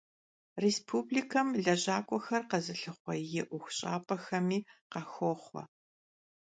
Rêspublikem lejak'uexer khezılhıxhue yi 'uexuş'ap'exemi khaxoxhue.